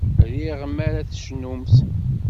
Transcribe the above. Riɣ mi ara tcennumt.